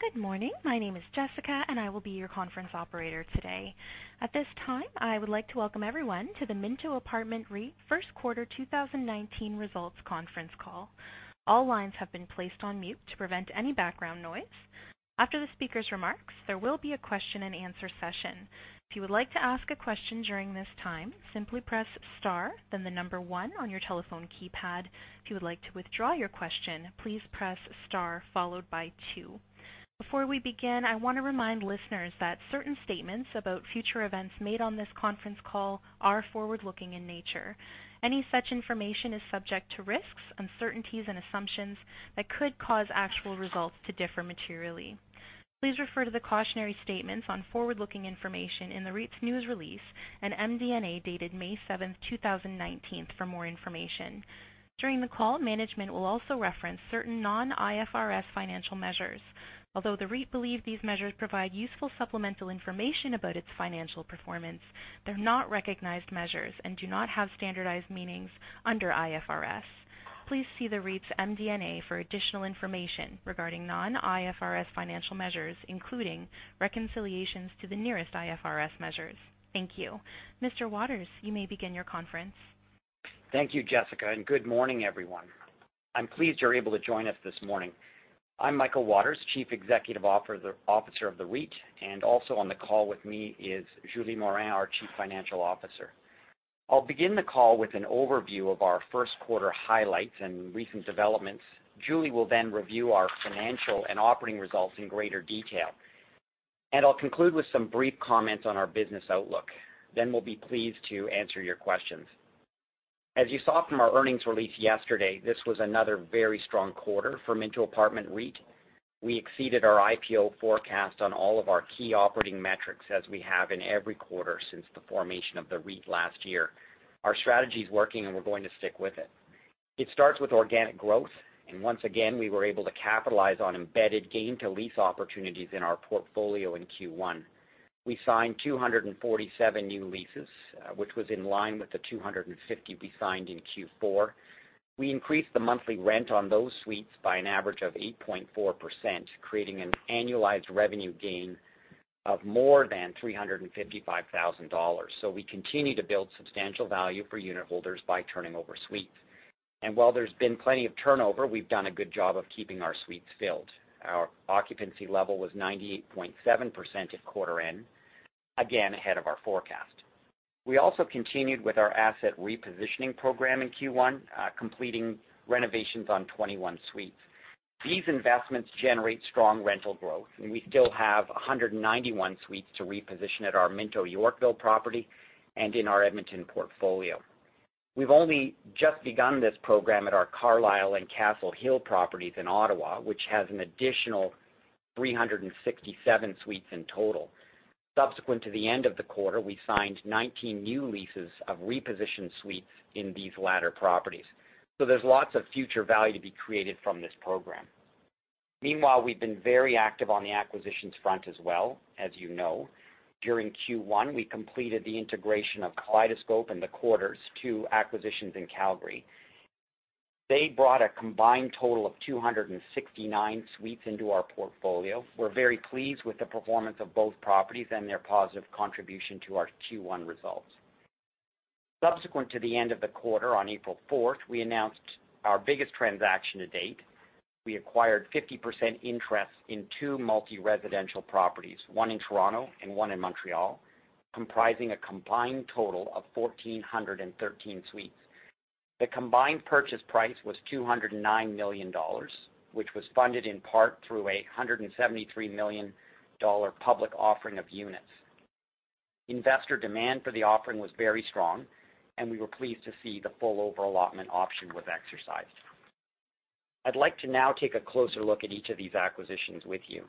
Good morning. My name is Jessica, and I will be your conference operator today. At this time, I would like to welcome everyone to the Minto Apartment REIT First Quarter 2019 Results Conference Call. All lines have been placed on mute to prevent any background noise. After the speaker's remarks, there will be a question and answer session. If you would like to ask a question during this time, simply press star, then the number one on your telephone keypad. If you would like to withdraw your question, please press star followed by two. Before we begin, I want to remind listeners that certain statements about future events made on this conference call are forward-looking in nature. Any such information is subject to risks, uncertainties, and assumptions that could cause actual results to differ materially. Please refer to the cautionary statements on forward-looking information in the REIT's news release and MD&A dated May 7th, 2019 for more information. During the call, management will also reference certain non-IFRS financial measures. Although the REIT believe these measures provide useful supplemental information about its financial performance, they're not recognized measures and do not have standardized meanings under IFRS. Please see the REIT's MD&A for additional information regarding non-IFRS financial measures, including reconciliations to the nearest IFRS measures. Thank you. Mr. Waters, you may begin your conference. Thank you, Jessica, and good morning, everyone. I'm pleased you're able to join us this morning. I'm Michael Waters, Chief Executive Officer of the REIT, and also on the call with me is Julie Morin, our Chief Financial Officer. I'll begin the call with an overview of our first quarter highlights and recent developments. Julie will then review our financial and operating results in greater detail. I'll conclude with some brief comments on our business outlook. We'll be pleased to answer your questions. As you saw from our earnings release yesterday, this was another very strong quarter for Minto Apartment REIT. We exceeded our IPO forecast on all of our key operating metrics, as we have in every quarter since the formation of the REIT last year. Our strategy is working, and we're going to stick with it. It starts with organic growth. Once again, we were able to capitalize on embedded gain to lease opportunities in our portfolio in Q1. We signed 247 new leases, which was in line with the 250 we signed in Q4. We increased the monthly rent on those suites by an average of 8.4%, creating an annualized revenue gain of more than 355,000 dollars. We continue to build substantial value for unitholders by turning over suites. While there's been plenty of turnover, we've done a good job of keeping our suites filled. Our occupancy level was 98.7% at quarter end, again ahead of our forecast. We also continued with our asset repositioning program in Q1, completing renovations on 21 suites. These investments generate strong rental growth, and we still have 191 suites to reposition at our Minto Yorkville property and in our Edmonton portfolio. We've only just begun this program at our Carlyle and Castle Hill properties in Ottawa, which has an additional 367 suites in total. Subsequent to the end of the quarter, we signed 19 new leases of repositioned suites in these latter properties. There's lots of future value to be created from this program. Meanwhile, we've been very active on the acquisitions front as well, as you know. During Q1, we completed the integration of Kaleidoscope and The Quarters, two acquisitions in Calgary. They brought a combined total of 269 suites into our portfolio. We're very pleased with the performance of both properties and their positive contribution to our Q1 results. Subsequent to the end of the quarter, on April 4th, we announced our biggest transaction to date. We acquired 50% interest in two multi-residential properties, one in Toronto and one in Montreal, comprising a combined total of 1,413 suites. The combined purchase price was 209 million dollars, which was funded in part through a 173 million dollar public offering of units. Investor demand for the offering was very strong. We were pleased to see the full over-allotment option was exercised. I'd like to now take a closer look at each of these acquisitions with you.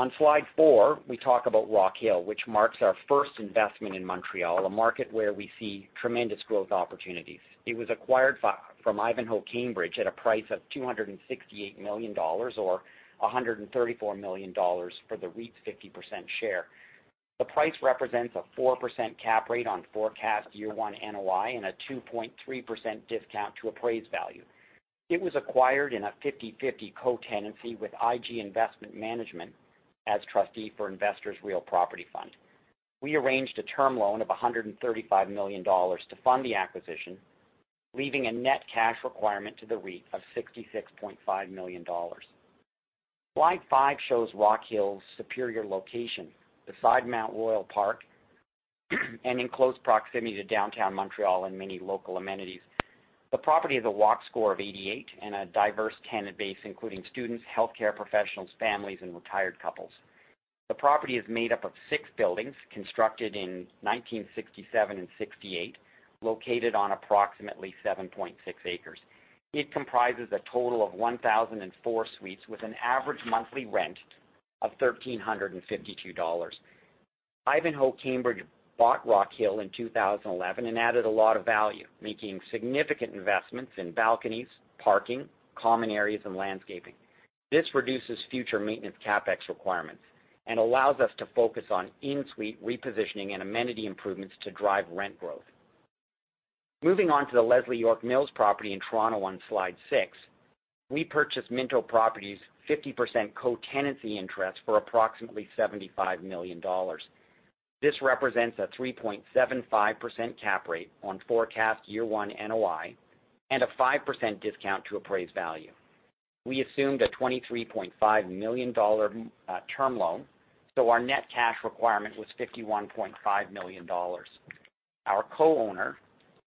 On slide four, we talk about Rockhill, which marks our first investment in Montreal, a market where we see tremendous growth opportunities. It was acquired from Ivanhoé Cambridge at a price of 268 million dollars, or 134 million dollars for the REIT's 50% share. The price represents a 4% cap rate on forecast year-one NOI and a 2.3% discount to appraised value. It was acquired in a 50/50 co-tenancy with I.G. Investment Management as trustee for Investors Real Property Fund. We arranged a term loan of 135 million dollars to fund the acquisition, leaving a net cash requirement to the REIT of 66.5 million dollars. Slide five shows Rockhill's superior location beside Mount Royal Park and in close proximity to downtown Montreal and many local amenities. The property has a Walk Score of 88 and a diverse tenant base including students, healthcare professionals, families, and retired couples. The property is made up of six buildings constructed in 1967 and '68, located on approximately 7.6 acres. It comprises a total of 1,004 suites with an average monthly rent of 1,352 dollars. Ivanhoé Cambridge bought Rockhill in 2011 and added a lot of value, making significant investments in balconies, parking, common areas, and landscaping. This reduces future maintenance CapEx requirements and allows us to focus on in-suite repositioning and amenity improvements to drive rent growth. Moving on to the Leslie York Mills property in Toronto on Slide six. We purchased Minto Properties' 50% co-tenancy interest for approximately 75 million dollars. This represents a 3.75% cap rate on forecast year one NOI and a 5% discount to appraised value. We assumed a 23.5 million dollar term loan. Our net cash requirement was 51.5 million dollars. Our co-owner,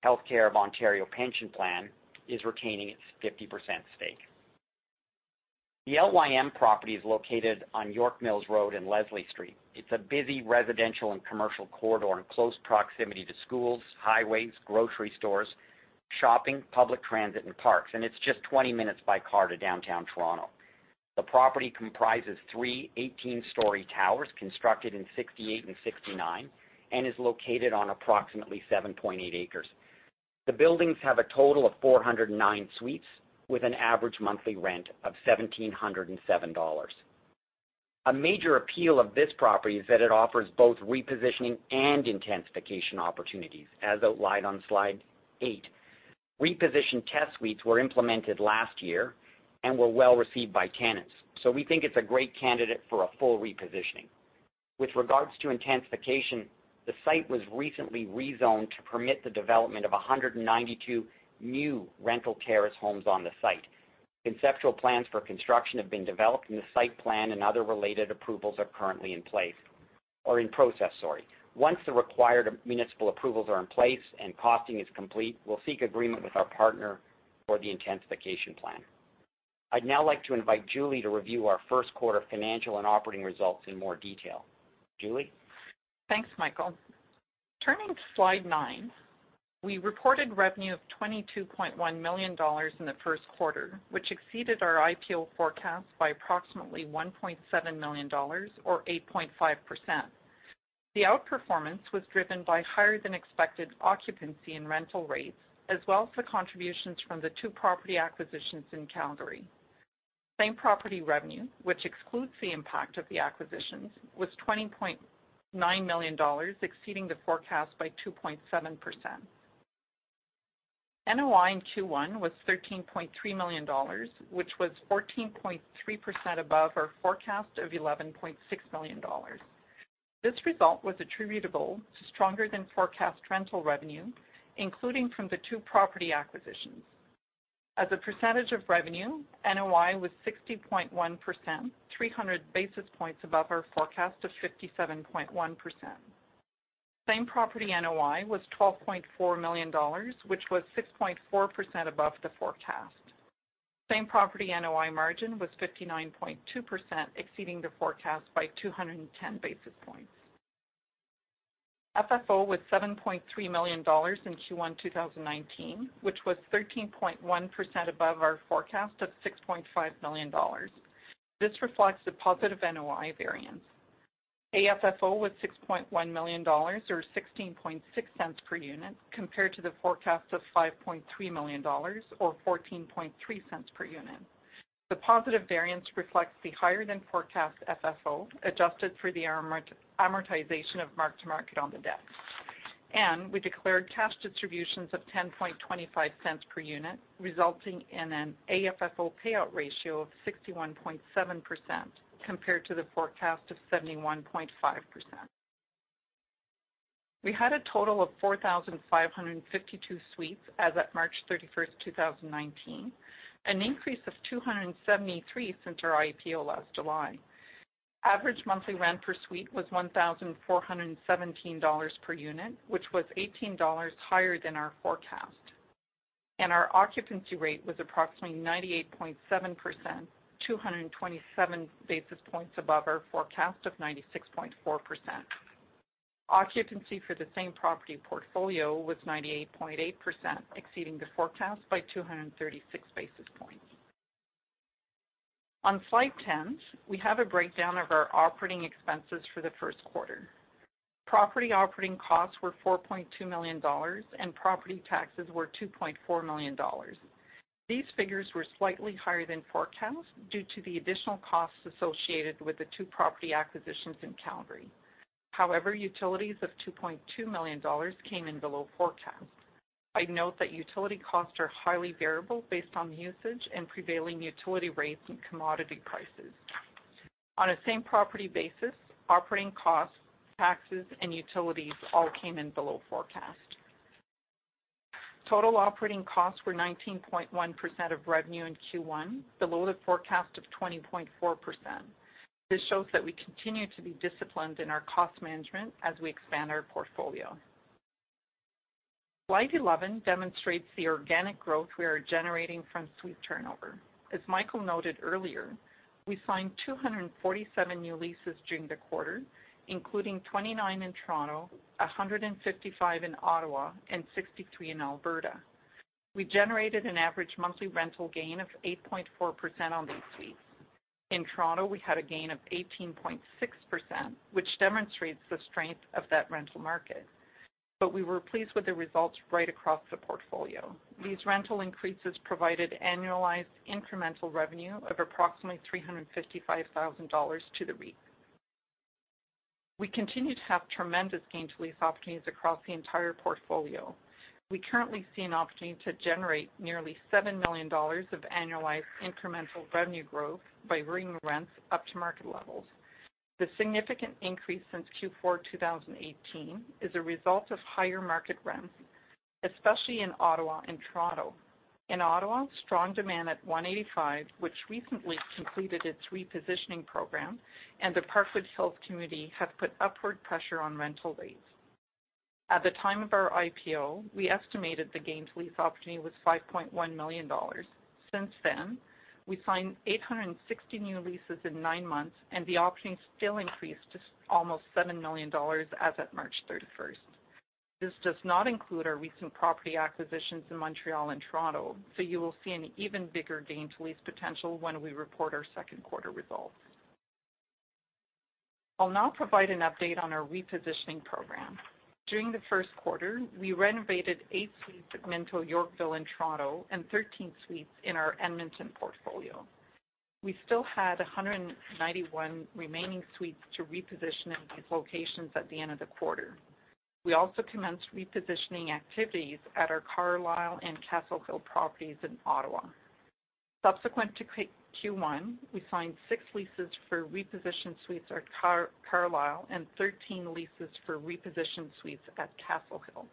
Healthcare of Ontario Pension Plan, is retaining its 50% stake. The LYM property is located on York Mills Road and Leslie Street. It's a busy residential and commercial corridor in close proximity to schools, highways, grocery stores, shopping, public transit, and parks, and it's just 20 minutes by car to downtown Toronto. The property comprises three 18-story towers constructed in '68 and '69 and is located on approximately 7.8 acres. The buildings have a total of 409 suites with an average monthly rent of 1,707 dollars. A major appeal of this property is that it offers both repositioning and intensification opportunities, as outlined on Slide eight. Repositioned test suites were implemented last year and were well-received by tenants. We think it's a great candidate for a full repositioning. With regards to intensification, the site was recently rezoned to permit the development of 192 new rental terrace homes on the site. Conceptual plans for construction have been developed, and the site plan and other related approvals are currently in process. Once the required municipal approvals are in place and costing is complete, we'll seek agreement with our partner for the intensification plan. I'd now like to invite Julie to review our first quarter financial and operating results in more detail. Julie? Thanks, Michael. Turning to Slide nine, we reported revenue of 22.1 million dollars in the first quarter, which exceeded our IPO forecast by approximately 1.7 million dollars, or 8.5%. The outperformance was driven by higher-than-expected occupancy and rental rates, as well as the contributions from the two property acquisitions in Calgary. Same-property revenue, which excludes the impact of the acquisitions, was 20.9 million dollars, exceeding the forecast by 2.7%. NOI in Q1 was 13.3 million dollars, which was 14.3% above our forecast of 11.6 million dollars. This result was attributable to stronger-than-forecast rental revenue, including from the two property acquisitions. As a percentage of revenue, NOI was 60.1%, 300 basis points above our forecast of 57.1%. Same-property NOI was 12.4 million dollars, which was 6.4% above the forecast. Same-property NOI margin was 59.2%, exceeding the forecast by 210 basis points. FFO was 7.3 million dollars in Q1 2019, which was 13.1% above our forecast of 6.5 million dollars. This reflects the positive NOI variance. AFFO was 6.1 million dollars, or 0.166 per unit, compared to the forecast of 5.3 million dollars, or 0.143 per unit. The positive variance reflects the higher-than-forecast FFO, adjusted for the amortization of mark-to-market on the debt. We declared cash distributions of 0.1025 per unit, resulting in an AFFO payout ratio of 61.7%, compared to the forecast of 71.5%. We had a total of 4,552 suites as at March 31st, 2019, an increase of 273 since our IPO last July. Average monthly rent per suite was 1,417 dollars per unit, which was 18 dollars higher than our forecast. Our occupancy rate was approximately 98.7%, 227 basis points above our forecast of 96.4%. Occupancy for the same-property portfolio was 98.8%, exceeding the forecast by 236 basis points. On Slide 10, we have a breakdown of our operating expenses for the first quarter. Property operating costs were 4.2 million dollars, and property taxes were 2.4 million dollars. These figures were slightly higher than forecast due to the additional costs associated with the two property acquisitions in Calgary. However, utilities of 2.2 million dollars came in below forecast. I'd note that utility costs are highly variable based on usage and prevailing utility rates and commodity prices. On a same-property basis, operating costs, taxes, and utilities all came in below forecast. Total operating costs were 19.1% of revenue in Q1, below the forecast of 20.4%. This shows that we continue to be disciplined in our cost management as we expand our portfolio. Slide 11 demonstrates the organic growth we are generating from suite turnover. As Michael noted earlier, we signed 247 new leases during the quarter, including 29 in Toronto, 155 in Ottawa, and 63 in Alberta. We generated an average monthly rental gain of 8.4% on these suites. In Toronto, we had a gain of 18.6%, which demonstrates the strength of that rental market. We were pleased with the results right across the portfolio. These rental increases provided annualized incremental revenue of approximately 355,000 dollars to the REIT. We continue to have tremendous gain-to-lease opportunities across the entire portfolio. We currently see an opportunity to generate nearly 7 million dollars of annualized incremental revenue growth by bringing rents up to market levels. The significant increase since Q4 2018 is a result of higher market rents, especially in Ottawa and Toronto. In Ottawa, strong demand at One80five, which recently completed its repositioning program, and the Parkwood Hills community, have put upward pressure on rental rates. At the time of our IPO, we estimated the gain-to-lease opportunity was 5.1 million dollars. Since then, we've signed 860 new leases in nine months, and the opportunity still increased to almost 7 million dollars as of March 31st. This does not include our recent property acquisitions in Montreal and Toronto. You will see an even bigger gain to lease potential when we report our second quarter results. I'll now provide an update on our repositioning program. During the first quarter, we renovated eight suites at Minto Yorkville in Toronto and 13 suites in our Edmonton portfolio. We still had 191 remaining suites to reposition in these locations at the end of the quarter. We also commenced repositioning activities at our Carlyle and Castle Hill properties in Ottawa. Subsequent to Q1, we signed six leases for repositioned suites at Carlyle and 13 leases for repositioned suites at Castle Hill.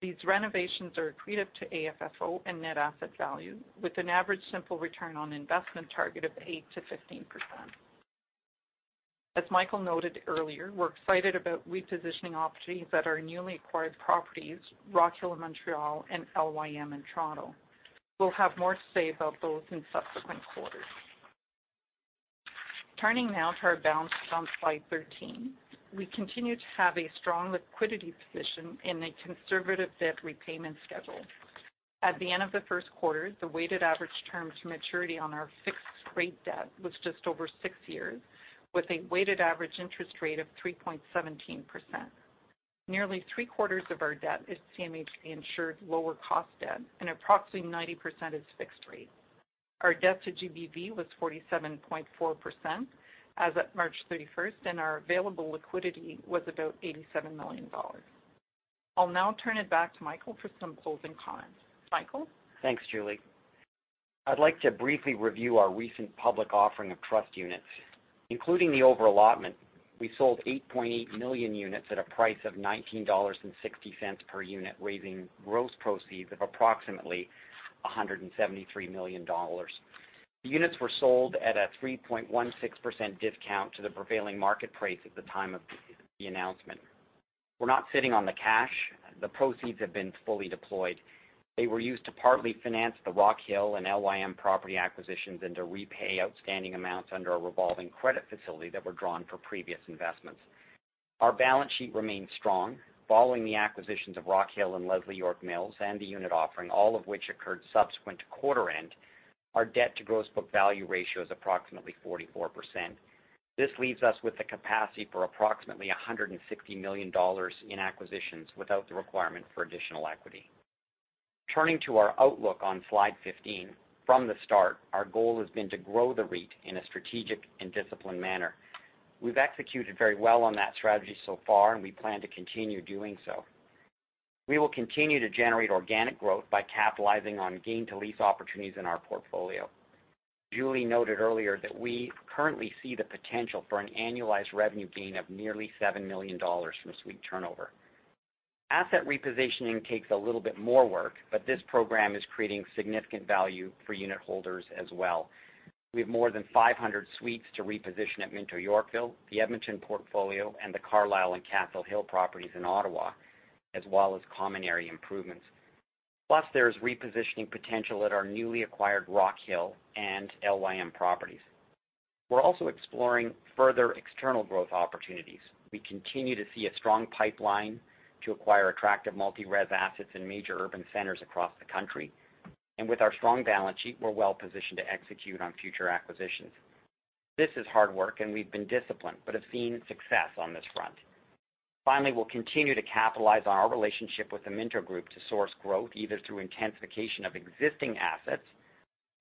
These renovations are accretive to AFFO and net asset value, with an average simple return on investment target of 8%-15%. As Michael noted earlier, we're excited about repositioning opportunities at our newly acquired properties, Rockhill in Montreal and LYM in Toronto. We'll have more to say about those in subsequent quarters. Turning now to our balance on slide 13. We continue to have a strong liquidity position and a conservative debt repayment schedule. At the end of the first quarter, the weighted average term to maturity on our fixed-rate debt was just over six years, with a weighted average interest rate of 3.17%. Nearly three-quarters of our debt is CMHC-insured lower-cost debt, and approximately 90% is fixed rate. Our debt to GBV was 47.4% as of March 31st, and our available liquidity was about 87 million dollars. I'll now turn it back to Michael for some closing comments. Michael? Thanks, Julie. I'd like to briefly review our recent public offering of trust units. Including the over-allotment, we sold 8.8 million units at a price of 19.60 dollars per unit, raising gross proceeds of approximately 173 million dollars. The units were sold at a 3.16% discount to the prevailing market price at the time of the announcement. We're not sitting on the cash. The proceeds have been fully deployed. They were used to partly finance the Rockhill and LYM property acquisitions and to repay outstanding amounts under a revolving credit facility that were drawn for previous investments. Our balance sheet remains strong. Following the acquisitions of Rockhill and Leslie York Mills and the unit offering, all of which occurred subsequent to quarter end, our debt to gross book value ratio is approximately 44%. This leaves us with the capacity for approximately 150 million dollars in acquisitions without the requirement for additional equity. Turning to our outlook on slide 15, from the start, our goal has been to grow the REIT in a strategic and disciplined manner. We've executed very well on that strategy so far, we plan to continue doing so. We will continue to generate organic growth by capitalizing on gain to lease opportunities in our portfolio. Julie noted earlier that we currently see the potential for an annualized revenue gain of nearly 7 million dollars from suite turnover. Asset repositioning takes a little bit more work, but this program is creating significant value for unit holders as well. We have more than 500 suites to reposition at Minto Yorkville, the Edmonton portfolio, and the Carlyle and Castle Hill properties in Ottawa, as well as common area improvements. There is repositioning potential at our newly acquired Rockhill and LYM properties. We're also exploring further external growth opportunities. We continue to see a strong pipeline to acquire attractive multi-res assets in major urban centers across the country. With our strong balance sheet, we're well-positioned to execute on future acquisitions. This is hard work, and we've been disciplined, but have seen success on this front. Finally, we'll continue to capitalize on our relationship with the Minto Group to source growth, either through intensification of existing assets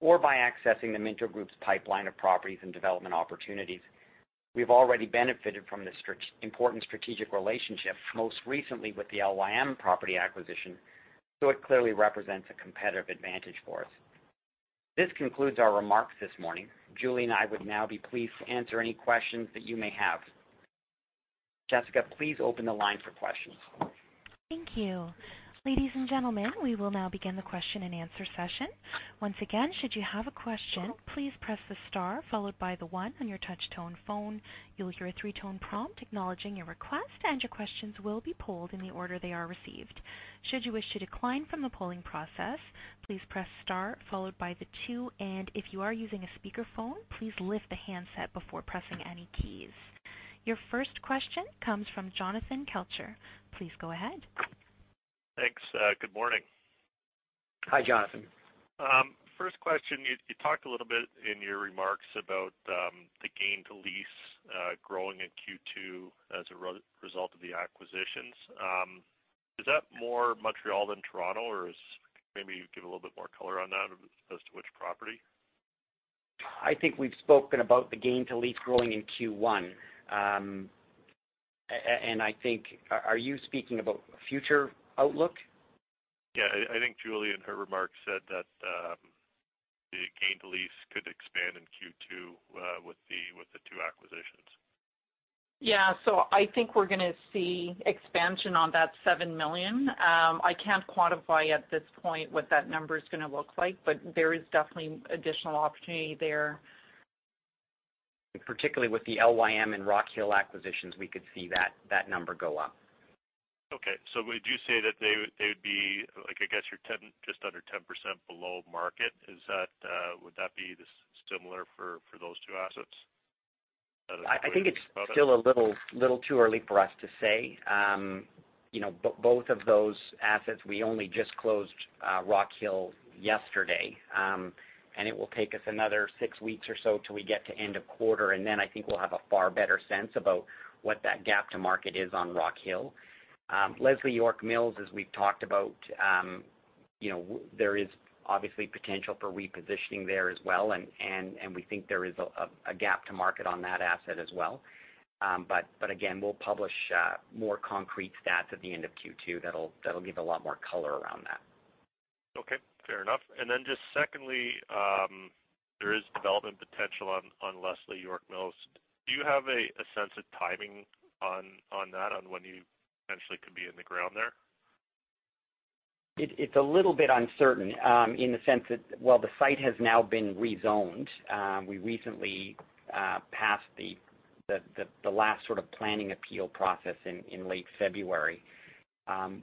or by accessing the Minto Group's pipeline of properties and development opportunities. We've already benefited from this important strategic relationship, most recently with the LYM property acquisition, it clearly represents a competitive advantage for us. This concludes our remarks this morning. Julie and I would now be pleased to answer any questions that you may have. Jessica, please open the line for questions. Thank you. Ladies and gentlemen, we will now begin the question-and-answer session. Once again, should you have a question, please press the star followed by the one on your touch tone phone. You'll hear a three-tone prompt acknowledging your request, and your questions will be polled in the order they are received. Should you wish to decline from the polling process, please press star followed by the two, and if you are using a speakerphone, please lift the handset before pressing any keys. Your first question comes from Jonathan Kelcher. Please go ahead. Thanks. Good morning. Hi, Jonathan. First question, you talked a little bit in your remarks about the gain to lease growing in Q2 as a result of the acquisitions. Is that more Montreal than Toronto? Or maybe you could give a little bit more color on that as to which property? I think we've spoken about the gain to lease growing in Q1. Are you speaking about future outlook? Yeah. I think Julie, in her remarks, said that the gain to lease could expand in Q2 with the two acquisitions. Yeah. I think we're going to see expansion on that 7 million. I can't quantify at this point what that number's going to look like, there is definitely additional opportunity there. Particularly with the LYM and Rockhill acquisitions, we could see that number go up. Okay. Would you say that they would be, I guess, just under 10% below market. Would that be similar for those two assets? I think it's still a little too early for us to say. Both of those assets, we only just closed Rockhill yesterday, it will take us another six weeks or so till we get to end of quarter, then I think we'll have a far better sense about what that gap to market is on Rockhill. Leslie York Mills, as we've talked about, there is obviously potential for repositioning there as well, we think there is a gap to market on that asset as well. Again, we'll publish more concrete stats at the end of Q2 that'll give a lot more color around that. Okay, fair enough. Just secondly, there is development potential on Leslie York Mills. Do you have a sense of timing on that, on when you potentially could be in the ground there? It's a little bit uncertain in the sense that while the site has now been rezoned, we recently passed the last sort of planning appeal process in late February.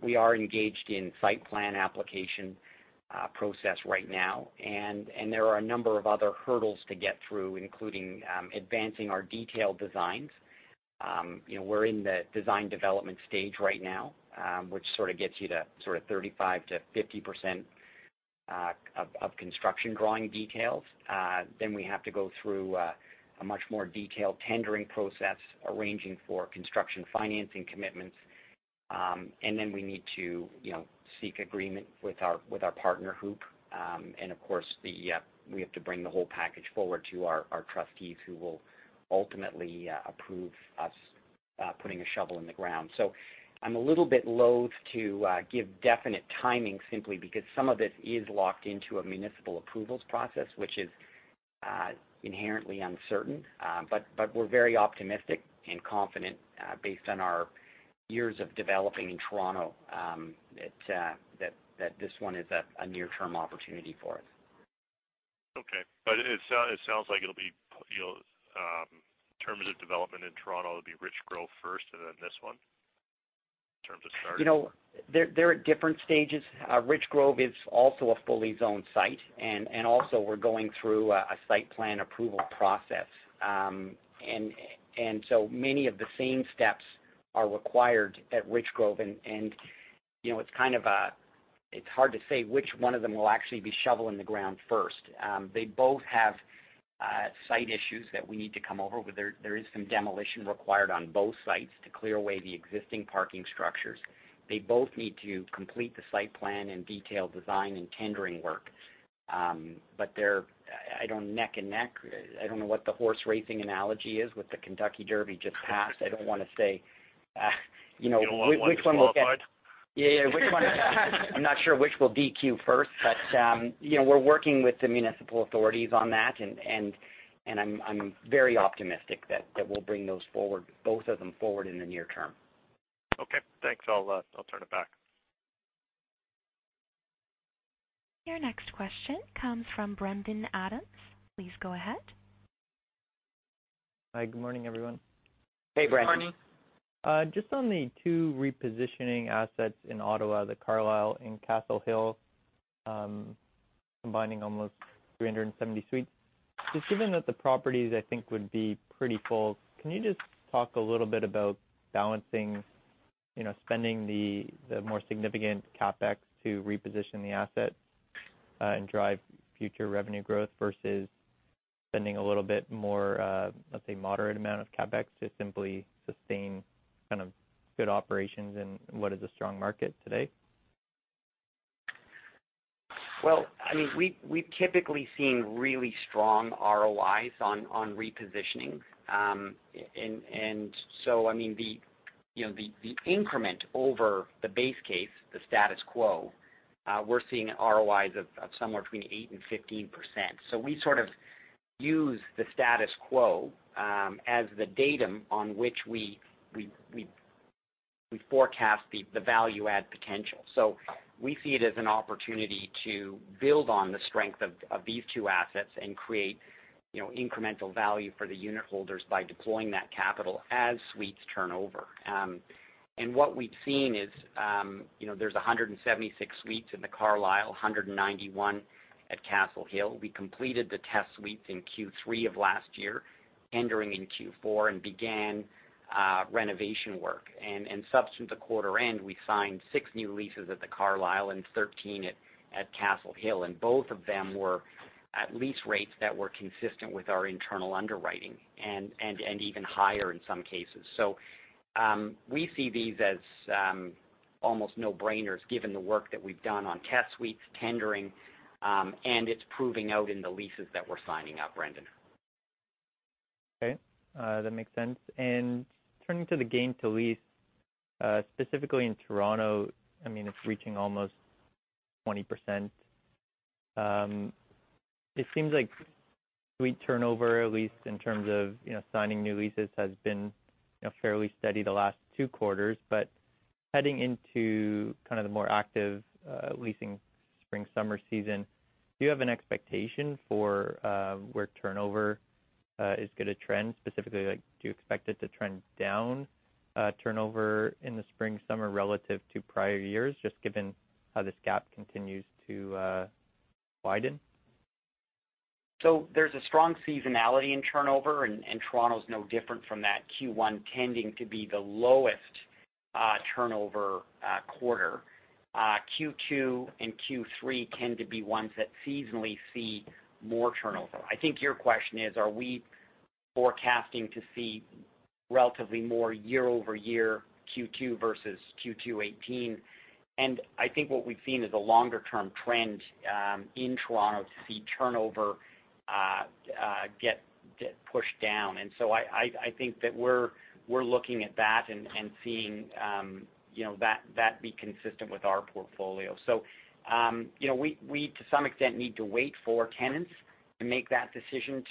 We are engaged in site plan application process right now, there are a number of other hurdles to get through, including advancing our detailed designs. We're in the design development stage right now, which gets you to 35% to 50% of construction drawing details. We have to go through a much more detailed tendering process, arranging for construction financing commitments. We need to seek agreement with our partner, HOOPP. Of course, we have to bring the whole package forward to our trustees who will ultimately approve us putting a shovel in the ground. I'm a little bit loath to give definite timing simply because some of it is locked into a municipal approvals process, which is inherently uncertain. We're very optimistic and confident based on our years of developing in Toronto, that this one is a near-term opportunity for us. Okay. It sounds like it'll be, in terms of development in Toronto, it'll be Richgrove first and then this one, in terms of start. They're at different stages. Richgrove is also a fully zoned site, and also we're going through a site plan approval process. Many of the same steps are required at Richgrove, and it's hard to say which one of them will actually be shovel in the ground first. They both have site issues that we need to come over with. There is some demolition required on both sites to clear away the existing parking structures. They both need to complete the site plan and detail design and tendering work. They're neck and neck. I don't know what the Kentucky Derby horse racing analogy is with the Kentucky Derby just passed. I don't want to say- You don't want to be disqualified? Yeah. I'm not sure which will DQ first. We're working with the municipal authorities on that, and I'm very optimistic that we'll bring both of them forward in the near term. Okay, thanks. I'll turn it back. Your next question comes from Brendon Abrams. Please go ahead. Hi, good morning, everyone. Hey, Brendon. Good morning. Just on the two repositioning assets in Ottawa, The Carlyle and Castle Hill, combining almost 370 suites. Just given that the properties, I think, would be pretty full, can you just talk a little bit about balancing spending the more significant CapEx to reposition the asset and drive future revenue growth versus spending a little bit more of, let's say, moderate amount of CapEx to simply sustain good operations in what is a strong market today? Well, we've typically seen really strong ROIs on repositioning. The increment over the base case, the status quo, we're seeing ROIs of somewhere between 8%-15%. We sort of use the status quo as the datum on which we forecast the value-add potential. We see it as an opportunity to build on the strength of these two assets and create incremental value for the unitholders by deploying that capital as suites turnover. What we've seen is, there's 176 suites in The Carlyle, 191 at Castle Hill. We completed the test suites in Q3 of last year, entering in Q4, and began renovation work. Subsequent to quarter end, we signed six new leases at The Carlyle and 13 at Castle Hill, and both of them were at lease rates that were consistent with our internal underwriting, and even higher in some cases. We see these as almost no-brainers given the work that we've done on test suites, tendering, and it's proving out in the leases that we're signing up, Brendon. Okay, that makes sense. Turning to the gain to lease, specifically in Toronto, it's reaching almost 20%. It seems like suite turnover, at least in terms of signing new leases, has been fairly steady the last two quarters, heading into the more active leasing spring, summer season, do you have an expectation for where turnover is going to trend? Specifically, do you expect it to trend down turnover in the spring, summer relative to prior years, just given how this gap continues to widen? There's a strong seasonality in turnover, and Toronto's no different from that, Q1 tending to be the lowest turnover quarter. Q2 and Q3 tend to be ones that seasonally see more turnover. I think your question is, are we forecasting to see relatively more year-over-year Q2 versus Q2 2018? I think what we've seen is a longer-term trend in Toronto to see turnover get pushed down. I think that we're looking at that and seeing that be consistent with our portfolio. We, to some extent, need to wait for tenants to make that decision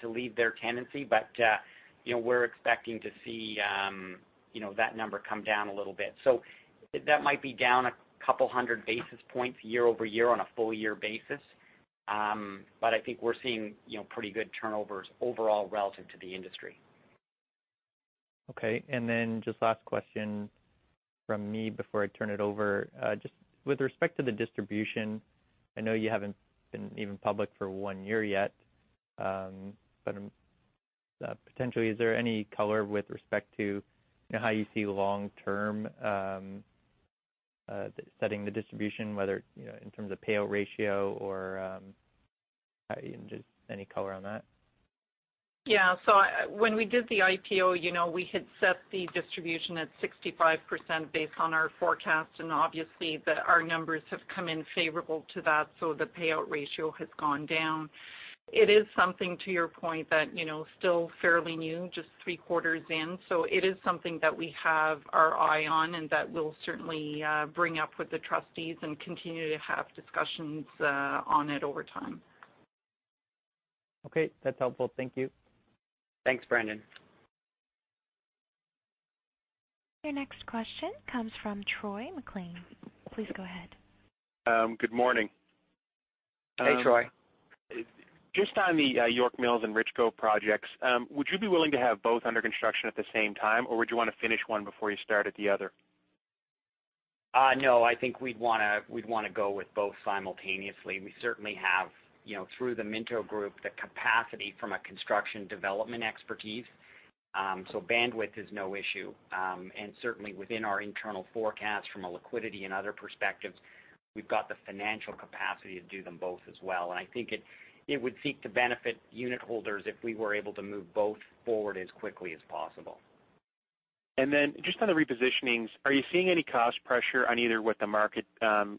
to leave their tenancy. We're expecting to see that number come down a little bit. That might be down a couple hundred basis points year-over-year on a full-year basis. I think we're seeing pretty good turnovers overall relative to the industry. Okay, just last question from me before I turn it over. Just with respect to the distribution, I know you haven't been even public for one year yet. Potentially, is there any color with respect to how you see long-term setting the distribution, whether in terms of payout ratio or just any color on that? When we did the IPO, we had set the distribution at 65% based on our forecast. Obviously, our numbers have come in favorable to that, the payout ratio has gone down. It is something, to your point, that still fairly new, just three quarters in. It is something that we have our eye on and that we'll certainly bring up with the trustees and continue to have discussions on it over time. Okay, that's helpful. Thank you. Thanks, Brendon. Your next question comes from Troy MacLean. Please go ahead. Good morning. Hey, Troy. Just on the York Mills and Richgrove projects, would you be willing to have both under construction at the same time, or would you want to finish one before you started the other? I think we'd want to go with both simultaneously. We certainly have, through the Minto Group, the capacity from a construction development expertise. Bandwidth is no issue. Certainly, within our internal forecast from a liquidity and other perspectives, we've got the financial capacity to do them both as well. I think it would seek to benefit unit holders if we were able to move both forward as quickly as possible. Just on the repositionings, are you seeing any cost pressure on either what the market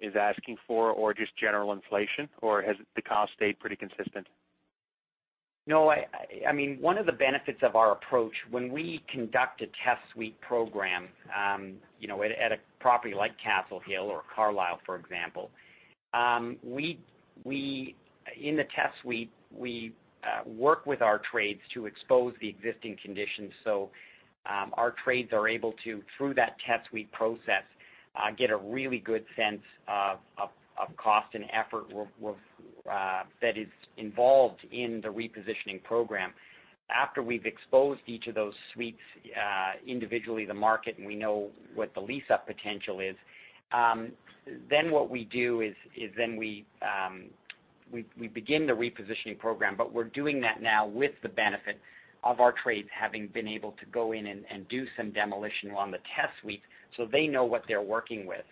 is asking for or just general inflation, or has the cost stayed pretty consistent? One of the benefits of our approach, when we conduct a test suite program at a property like Castle Hill or Carlyle, for example. In the test suite, we work with our trades to expose the existing conditions. Our trades are able to, through that test suite process, get a really good sense of cost and effort that is involved in the repositioning program. After we've exposed each of those suites individually to the market, and we know what the lease-up potential is, then what we do is then we begin the repositioning program, but we're doing that now with the benefit of our trades having been able to go in and do some demolition on the test suite so they know what they're working with.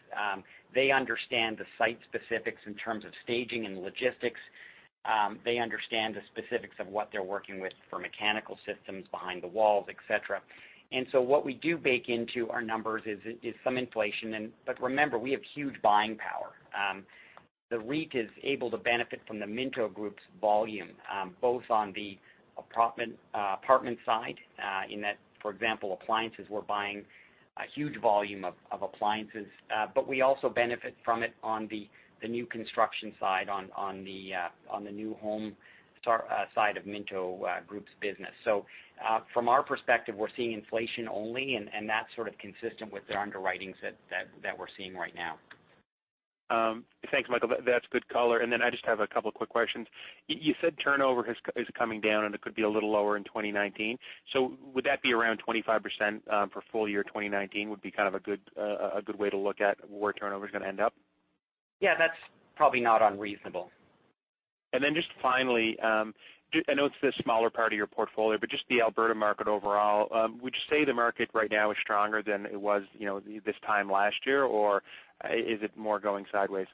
They understand the site specifics in terms of staging and logistics. They understand the specifics of what they're working with for mechanical systems behind the walls, et cetera. What we do bake into our numbers is some inflation in. Remember, we have huge buying power. The REIT is able to benefit from the Minto Group's volume, both on the apartment side in that, for example, appliances, we're buying a huge volume of appliances. We also benefit from it on the new construction side, on the new home side of Minto Group's business. From our perspective, we're seeing inflation only, and that's sort of consistent with the underwritings that we're seeing right now. Thanks, Michael. That's good color. I just have a couple quick questions. You said turnover is coming down, and it could be a little lower in 2019. Would that be around 25% for full-year 2019, would be kind of a good way to look at where turnover is going to end up? Yeah, that's probably not unreasonable. Just finally, I know it's the smaller part of your portfolio, but just the Alberta market overall. Would you say the market right now is stronger than it was this time last year, or is it more going sideways?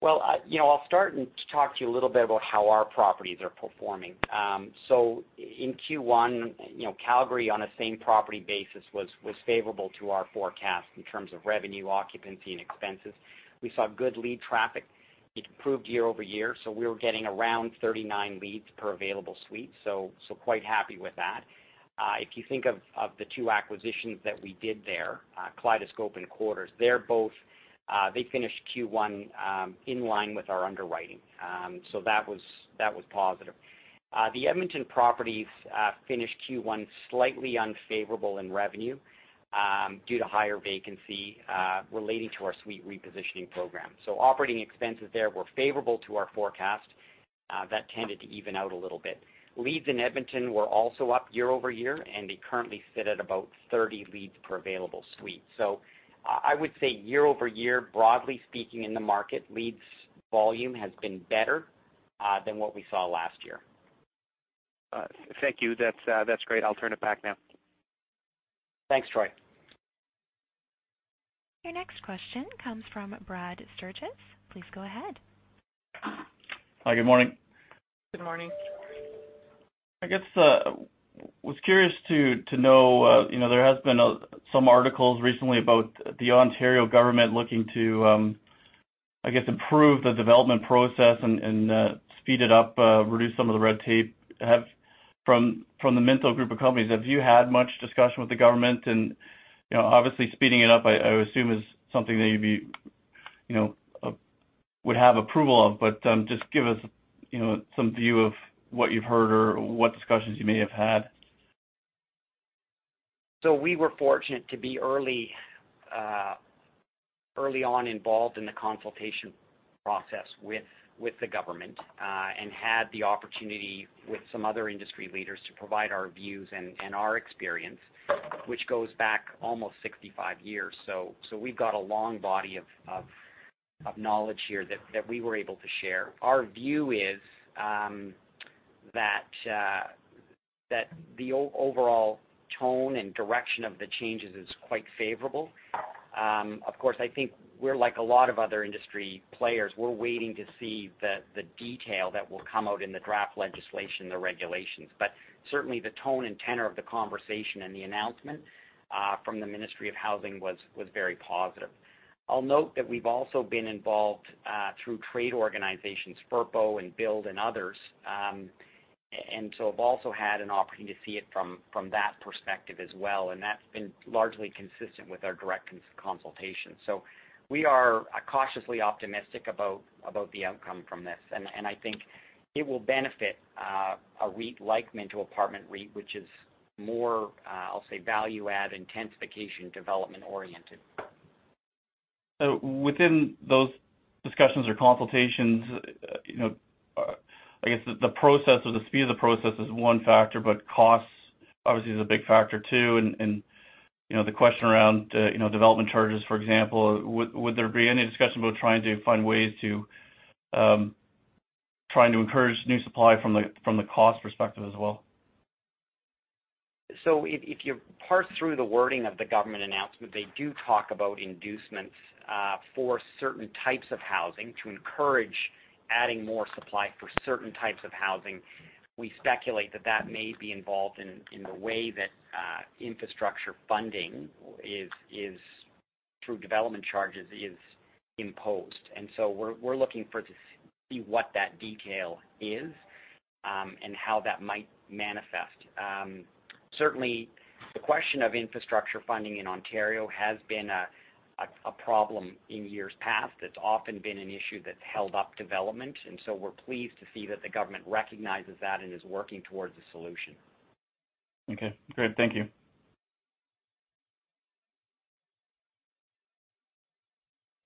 Well, I'll start and talk to you a little bit about how our properties are performing. In Q1, Calgary on a same property basis was favorable to our forecast in terms of revenue, occupancy, and expenses. We saw good lead traffic. It improved year-over-year, we were getting around 39 leads per available suite. Quite happy with that. If you think of the two acquisitions that we did there, Kaleidoscope and Quarters, they finished Q1 in line with our underwriting. That was positive. The Edmonton properties finished Q1 slightly unfavorable in revenue due to higher vacancy relating to our suite repositioning program. Operating expenses there were favorable to our forecast. That tended to even out a little bit. Leads in Edmonton were also up year-over-year, and they currently sit at about 30 leads per available suite. I would say year-over-year, broadly speaking in the market, leads volume has been better than what we saw last year. Thank you. That's great. I'll turn it back now. Thanks, Troy. Your next question comes from Brad Sturges. Please go ahead. Hi, good morning. Good morning. I guess, was curious to know, there has been some articles recently about the Ontario government looking to, improve the development process and speed it up, reduce some of the red tape. From the Minto Group of companies, have you had much discussion with the government and, obviously speeding it up I would assume is something that you would have approval of. Just give us some view of what you've heard or what discussions you may have had. We were fortunate to be early on involved in the consultation process with the government, had the opportunity with some other industry leaders to provide our views and our experience, which goes back almost 65 years. We've got a long body of knowledge here that we were able to share. Our view is that the overall tone and direction of the changes is quite favorable. Of course, I think we're like a lot of other industry players. We're waiting to see the detail that will come out in the draft legislation, the regulations. Certainly the tone and tenor of the conversation and the announcement from the Ministry of Housing was very positive. I'll note that we've also been involved through trade organizations, FRPO and BILD and others. Have also had an opportunity to see it from that perspective as well, and that's been largely consistent with our direct consultation. We are cautiously optimistic about the outcome from this. I think it will benefit a REIT like Minto Apartment REIT, which is more, I'll say, value-add intensification development oriented. Within those discussions or consultations, I guess the process or the speed of the process is one factor, but cost obviously is a big factor too. The question around development charges, for example, would there be any discussion about trying to find ways to encourage new supply from the cost perspective as well? If you parse through the wording of the government announcement, they do talk about inducements for certain types of housing to encourage adding more supply for certain types of housing. We speculate that that may be involved in the way that infrastructure funding through development charges is imposed. We're looking to see what that detail is, and how that might manifest. Certainly the question of infrastructure funding in Ontario has been a problem in years past. It's often been an issue that's held up development, we're pleased to see that the government recognizes that and is working towards a solution. Okay, great. Thank you.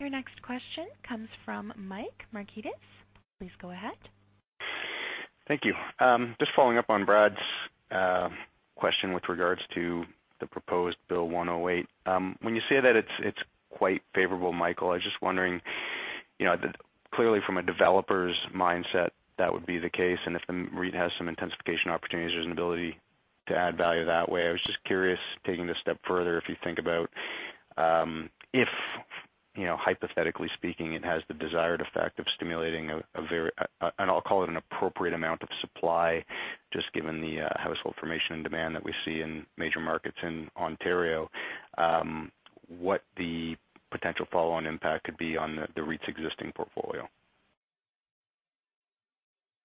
Your next question comes from Mike Markidis. Please go ahead. Thank you. Just following up on Brad's question with regards to the proposed Bill 108. When you say that it's quite favorable, Michael, I was just wondering, clearly from a developer's mindset, that would be the case. If the REIT has some intensification opportunities, there's an ability to add value that way. I was just curious, taking this a step further, if you think about, if hypothetically speaking, it has the desired effect of stimulating a very and I'll call it an appropriate amount of supply just given the household formation and demand that we see in major markets in Ontario, what the potential follow-on impact could be on the REIT's existing portfolio?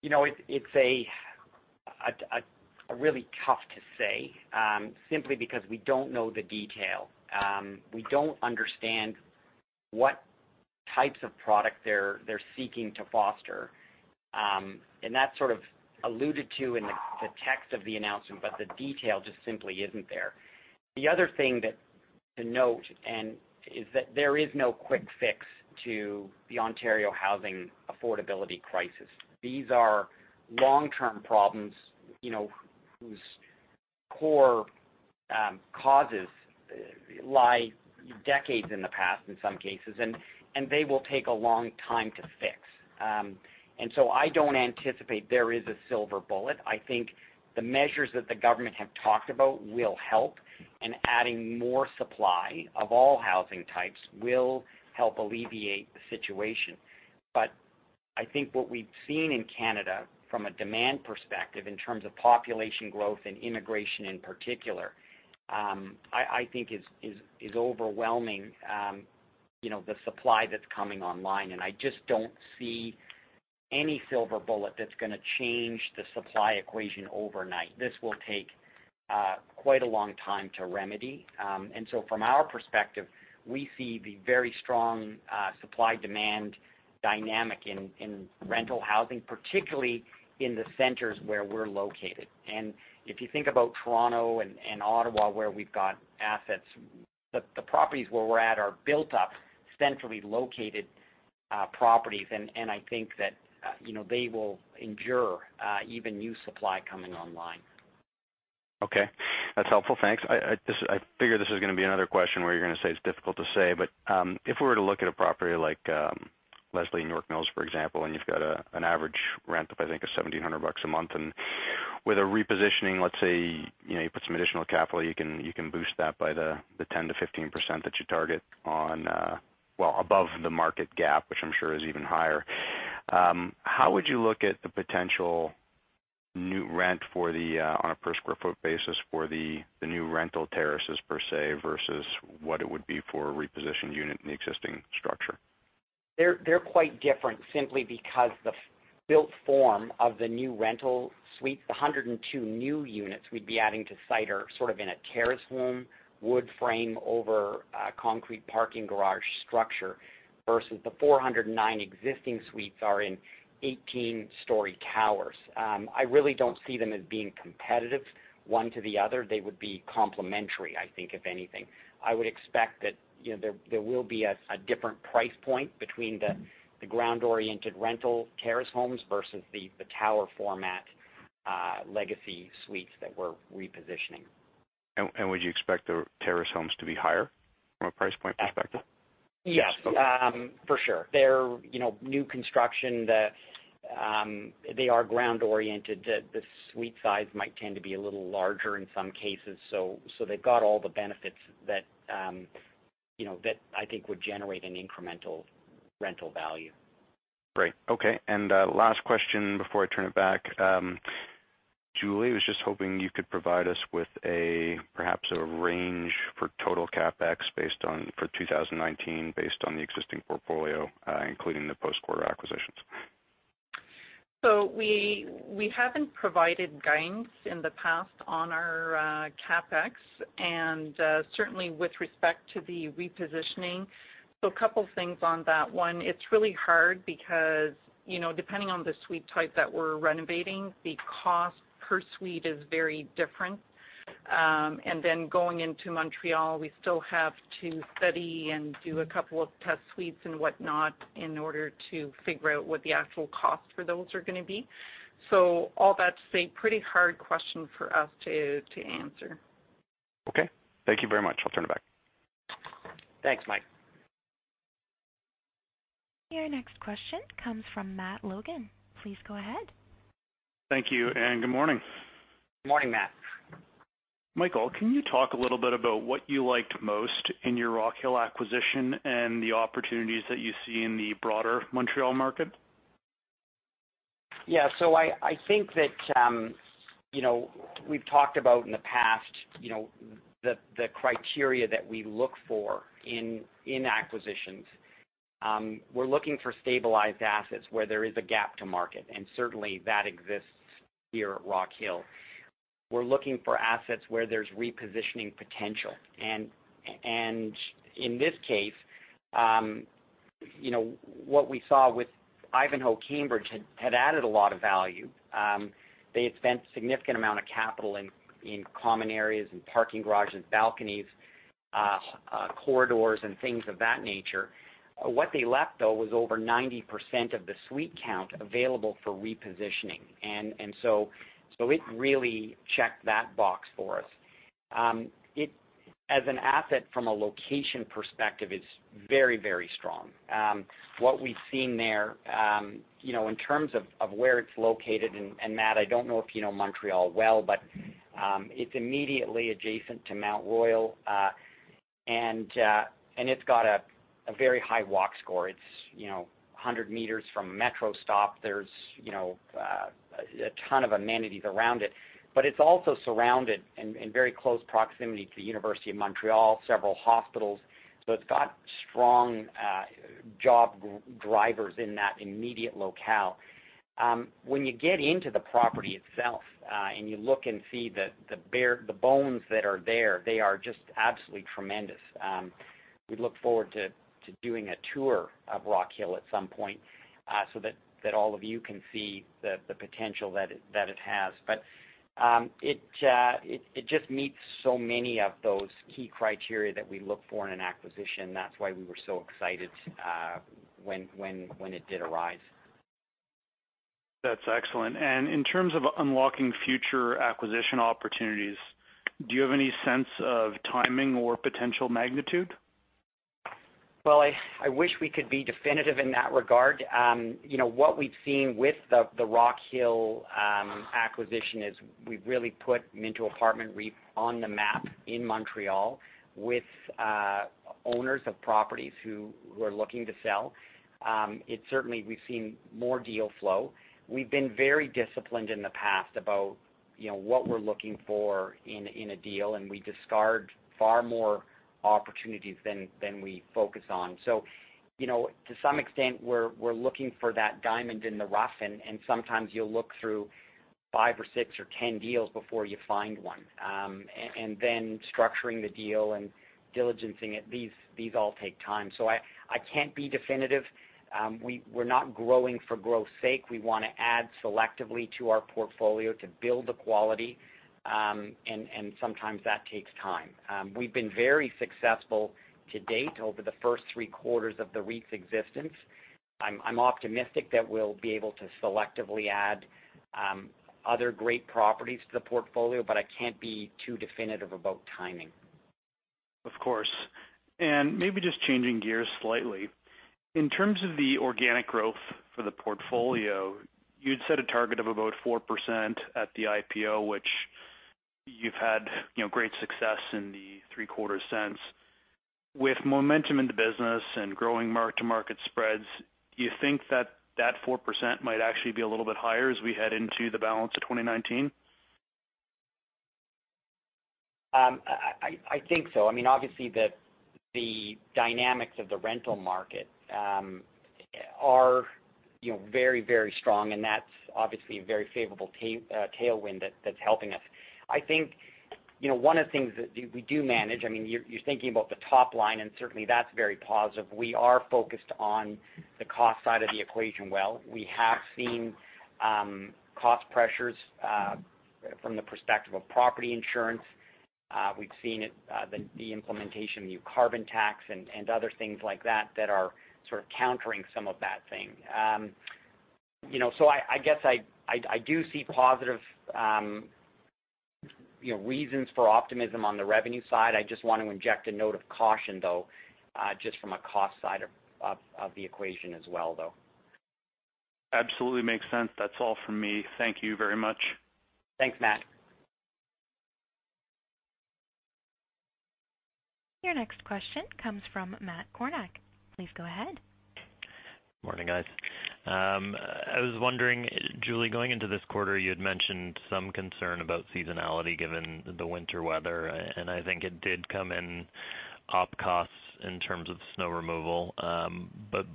It's really tough to say, simply because we don't know the detail. We don't understand what types of product they're seeking to foster. That's sort of alluded to in the text of the announcement, the detail just simply isn't there. The other thing to note is that there is no quick fix to the Ontario housing affordability crisis. These are long-term problems, whose core causes lie decades in the past in some cases. They will take a long time to fix. I don't anticipate there is a silver bullet. I think the measures that the government have talked about will help, and adding more supply of all housing types will help alleviate the situation. I think what we've seen in Canada from a demand perspective in terms of population growth and immigration in particular, I think is overwhelming the supply that's coming online, and I just don't see any silver bullet that's going to change the supply equation overnight. This will take quite a long time to remedy. From our perspective, we see the very strong supply-demand dynamic in rental housing, particularly in the centers where we're located. If you think about Toronto and Ottawa, where we've got assets, the properties where we're at are built up, centrally located properties, and I think that they will endure even new supply coming online. Okay. That's helpful. Thanks. I figure this is going to be another question where you're going to say it's difficult to say, but if we were to look at a property like Leslie York Mills, for example, and you've got an average rent of, I think, 1,700 bucks a month, and with a repositioning, let's say, you put some additional capital, you can boost that by the 10%-15% that you target above the market gap, which I'm sure is even higher. How would you look at the potential new rent on a per square foot basis for the new rental terraces per se, versus what it would be for a repositioned unit in the existing structure? They're quite different simply because the built form of the new rental suites, the 102 new units we'd be adding to site are sort of in a terrace home, wood frame over a concrete parking garage structure, versus the 409 existing suites are in 18-story towers. I really don't see them as being competitive one to the other. They would be complementary, I think, if anything. I would expect that there will be a different price point between the ground-oriented rental terrace homes versus the tower format legacy suites that we're repositioning. Would you expect the terrace homes to be higher from a price point perspective? Yes. Yes. Okay. For sure. They're new construction. They are ground oriented. The suite size might tend to be a little larger in some cases. They've got all the benefits that I think would generate an incremental rental value. Great. Okay. Last question before I turn it back. Julie, was just hoping you could provide us with perhaps a range for total CapEx for 2019 based on the existing portfolio including the post-quarter acquisitions. We haven't provided guidance in the past on our CapEx, and certainly with respect to the repositioning. A couple things on that. One, it's really hard because, depending on the suite type that we're renovating, the cost per suite is very different. Then going into Montreal, we still have to study and do a couple of test suites and whatnot in order to figure out what the actual cost for those are going to be. All that to say, pretty hard question for us to answer. Okay. Thank you very much. I'll turn it back. Thanks, Mike. Your next question comes from Matt Logan. Please go ahead. Thank you, and good morning. Morning, Matt. Michael, can you talk a little bit about what you liked most in your Rockhill acquisition and the opportunities that you see in the broader Montreal market? Yeah. I think that we've talked about in the past the criteria that we look for in acquisitions. We're looking for stabilized assets where there is a gap to market, and certainly that exists here at Rockhill. We're looking for assets where there's repositioning potential. In this case, what we saw with Ivanhoé Cambridge had added a lot of value. They had spent significant amount of capital in common areas and parking garages, balconies, corridors, and things of that nature. What they left, though, was over 90% of the suite count available for repositioning. It really checked that box for us. As an asset from a location perspective, it's very strong. What we've seen there, in terms of where it's located, and Matt, I don't know if you know Montreal well, but it's immediately adjacent to Mount Royal. It's got a very high Walk Score. It's 100 meters from a metro stop. There's a ton of amenities around it. It's also surrounded in very close proximity to the Université de Montréal, several hospitals. It's got strong job drivers in that immediate locale. When you get into the property itself, you look and see the bones that are there, they are just absolutely tremendous. We look forward to doing a tour of Rockhill at some point so that all of you can see the potential that it has. It just meets so many of those key criteria that we look for in an acquisition. That's why we were so excited when it did arise. That's excellent. In terms of unlocking future acquisition opportunities, do you have any sense of timing or potential magnitude? Well, I wish we could be definitive in that regard. What we've seen with the Rockhill acquisition is we've really put Minto Apartment REIT on the map in Montreal with owners of properties who are looking to sell. Certainly, we've seen more deal flow. We've been very disciplined in the past about what we're looking for in a deal. We discard far more opportunities than we focus on. To some extent, we're looking for that diamond in the rough, and sometimes you'll look through five or six or 10 deals before you find one. Then structuring the deal and diligencing it, these all take time. I can't be definitive. We're not growing for growth's sake. We want to add selectively to our portfolio to build the quality, and sometimes that takes time. We've been very successful to date over the first three quarters of the REIT's existence. I'm optimistic that we'll be able to selectively add other great properties to the portfolio. I can't be too definitive about timing. Of course. Maybe just changing gears slightly. In terms of the organic growth for the portfolio, you'd set a target of about 4% at the IPO, which you've had great success in the three quarters since. With momentum in the business and growing mark-to-market spreads, do you think that that 4% might actually be a little bit higher as we head into the balance of 2019? I think so. Obviously, the dynamics of the rental market are very strong, and that's obviously a very favorable tailwind that's helping us. I think one of the things that we do manage, you're thinking about the top line, and certainly that's very positive. We are focused on the cost side of the equation as well. We have seen cost pressures from the perspective of property insurance. We've seen the implementation of the new carbon tax and other things like that that are sort of countering some of that thing. I guess I do see positive reasons for optimism on the revenue side. I just want to inject a note of caution, though, just from a cost side of the equation as well, though. Absolutely makes sense. That's all from me. Thank you very much. Thanks, Matt. Your next question comes from Matt Kornack. Please go ahead. Morning, guys. I was wondering, Julie, going into this quarter, you had mentioned some concern about seasonality given the winter weather. I think it did come in op costs in terms of snow removal.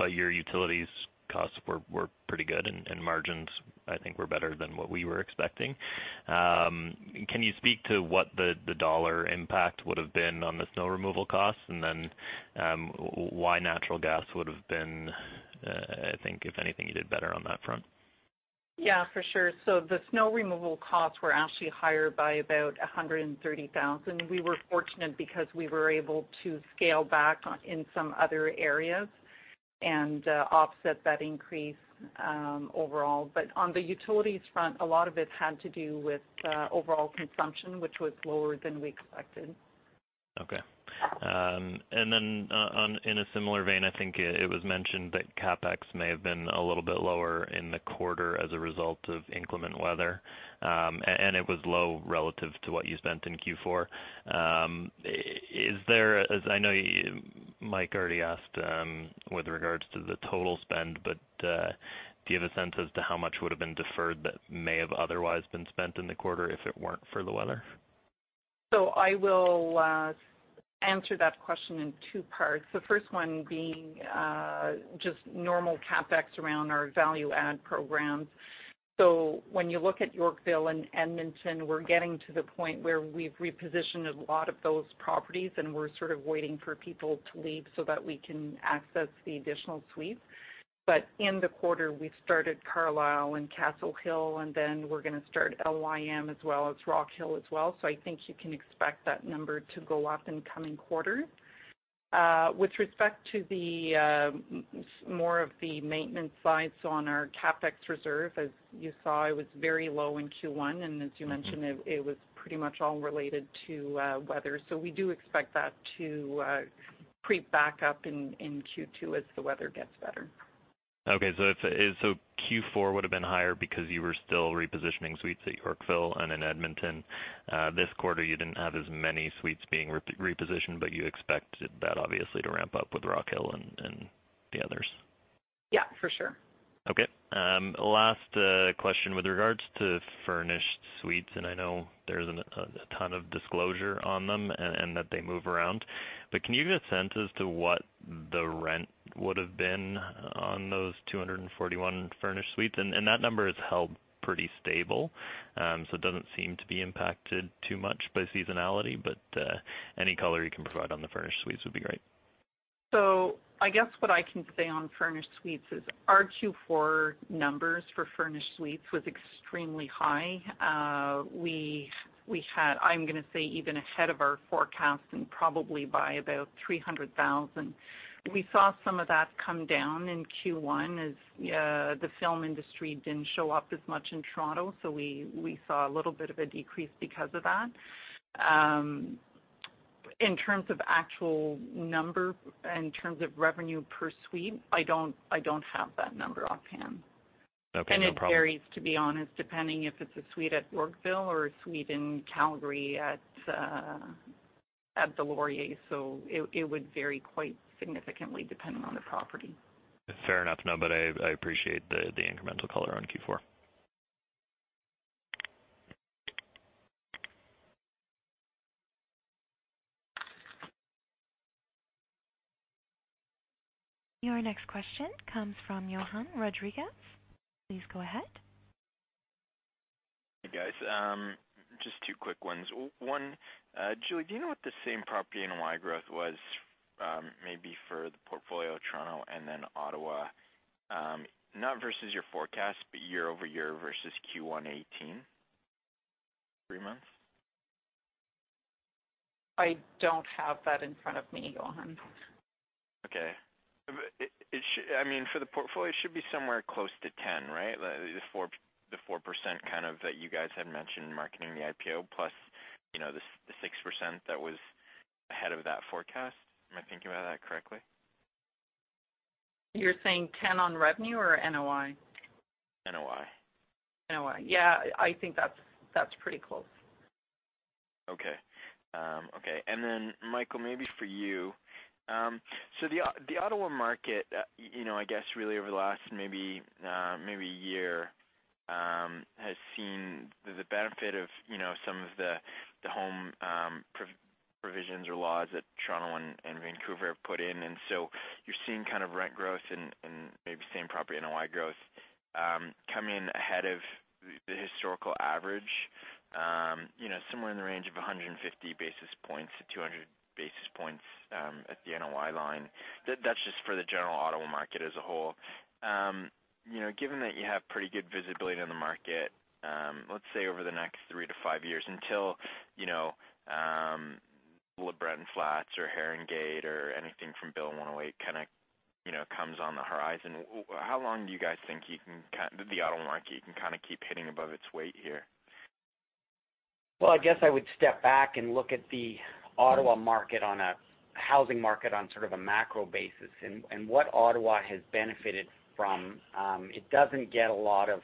Your utilities costs were pretty good and margins, I think, were better than what we were expecting. Can you speak to what the CAD impact would've been on the snow removal costs? Why natural gas would've been, I think, if anything, you did better on that front. Yeah, for sure. The snow removal costs were actually higher by about 130,000. We were fortunate because we were able to scale back in some other areas and offset that increase overall. On the utilities front, a lot of it had to do with overall consumption, which was lower than we expected. Okay. In a similar vein, I think it was mentioned that CapEx may have been a little bit lower in the quarter as a result of inclement weather. It was low relative to what you spent in Q4. I know Mike already asked with regards to the total spend, do you have a sense as to how much would've been deferred that may have otherwise been spent in the quarter if it weren't for the weather? I will answer that question in two parts, the first one being just normal CapEx around our value add programs. When you look at Yorkville and Edmonton, we're getting to the point where we've repositioned a lot of those properties, and we're sort of waiting for people to leave so that we can access the additional suites. In the quarter, we've started Carlyle and Castle Hill. We're going to start LYM as well as Rockhill as well. I think you can expect that number to go up in coming quarters. With respect to more of the maintenance sides on our CapEx reserve, as you saw, it was very low in Q1. As you mentioned, it was pretty much all related to weather. We do expect that to creep back up in Q2 as the weather gets better. Okay, Q4 would've been higher because you were still repositioning suites at Yorkville and in Edmonton. This quarter, you didn't have as many suites being repositioned, but you expect that obviously to ramp up with Rockhill and the others. Yeah, for sure. Okay, last question with regards to furnished suites, I know there isn't a ton of disclosure on them and that they move around. Can you give a sense as to what the rent would've been on those 241 furnished suites? That number has held pretty stable. It doesn't seem to be impacted too much by seasonality, but any color you can provide on the furnished suites would be great. I guess what I can say on furnished suites is our Q4 numbers for furnished suites was extremely high. We had, I'm going to say, even ahead of our forecast and probably by about 300,000. We saw some of that come down in Q1 as the film industry didn't show up as much in Toronto, we saw a little bit of a decrease because of that. In terms of actual number, in terms of revenue per suite, I don't have that number offhand. Okay, no problem. It varies, to be honest, depending if it's a suite at Yorkville or a suite in Calgary at The Laurier. It would vary quite significantly depending on the property. Fair enough. I appreciate the incremental color on Q4. Your next question comes from Yohan Rodriguez. Please go ahead. Hey, guys. Just two quick ones. One, Julie, do you know what the same-property NOI growth was, maybe for the portfolio Toronto and then Ottawa? Not versus your forecast, but year-over-year versus Q1 2018, three months. I don't have that in front of me, Yohan. Okay. For the portfolio, it should be somewhere close to 10, right? The 4% kind of that you guys had mentioned in marketing the IPO plus the 6% that was ahead of that forecast. Am I thinking about that correctly? You're saying 10 on revenue or NOI? NOI. NOI. Yeah, I think that's pretty close. Okay. Michael, maybe for you. The Ottawa market, I guess really over the last maybe year, has seen the benefit of some of the home provisions or laws that Toronto and Vancouver have put in. You're seeing kind of rent growth and maybe same-property NOI growth come in ahead of the historical average. Somewhere in the range of 150 basis points-200 basis points at the NOI line. That's just for the general Ottawa market as a whole. Given that you have pretty good visibility in the market, let's say over the next three to five years until LeBreton Flats or Heron Gate or anything from Bill 108 kind of comes on the horizon, how long do you guys think the Ottawa market can kind of keep hitting above its weight here? Well, I guess I would step back and look at the Ottawa market on a housing market on sort of a macro basis, what Ottawa has benefited from. It doesn't get a lot of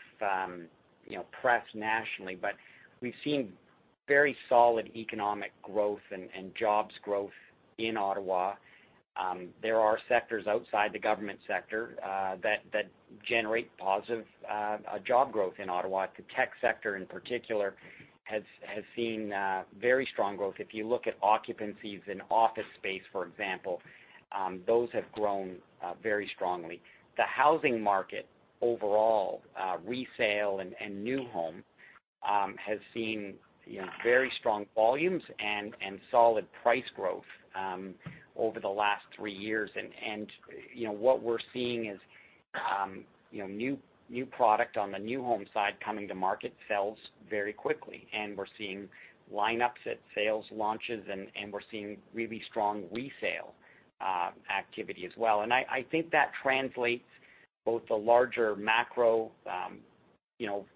press nationally, we've seen very solid economic growth and jobs growth in Ottawa. There are sectors outside the government sector that generate positive job growth in Ottawa. The tech sector in particular has seen very strong growth. If you look at occupancies in office space, for example, those have grown very strongly. The housing market overall, resale and new home, has seen very strong volumes and solid price growth over the last three years. What we're seeing is new product on the new home side coming to market sells very quickly. We're seeing lineups at sales launches, and we're seeing really strong resale activity as well. I think that translates both the larger macro